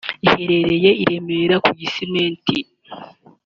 iherereye i Remera ku Gisementi